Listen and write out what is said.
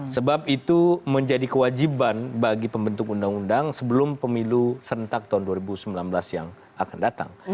sebab itu menjadi kewajiban bagi pembentuk undang undang sebelum pemilu serentak terjadi